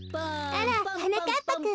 あらはなかっぱくん。